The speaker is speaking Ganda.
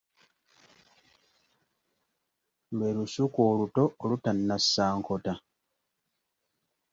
Lwe lusuku oluto olutannasa nkota.